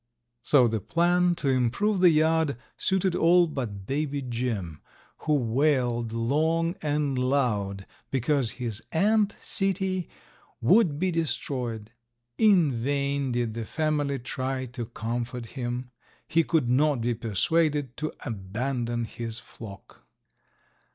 So the plan to improve the yard suited all but Baby Jim, who wailed long and loud because his ant city would be destroyed. In vain did the family try to comfort him. He could not be persuaded to abandon his flock.